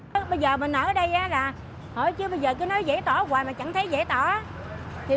nhiều người chỉ thấy bình thường thế này là hội trợ bây giờ cứ nói giải tỏa hoài mà chẳng thấy giải tỏa